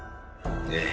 ええ。